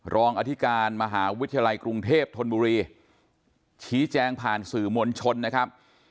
รองอธิการมหาวิทยาลัยกรุงเทพธนบุรีชี้แจงผ่านสื่อมวลชนนะครับ